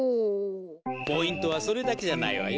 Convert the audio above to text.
ポイントはそれだけじゃないわよ。